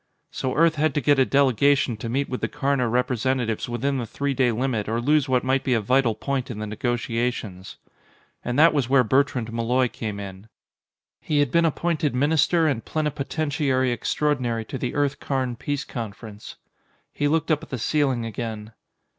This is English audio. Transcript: So Earth had to get a delegation to meet with the Karna representatives within the three day limit or lose what might be a vital point in the negotiations. And that was where Bertrand Malloy came in. He had been appointed Minister and Plenipotentiary Extraordinary to the Earth Karn peace conference. He looked up at the ceiling again.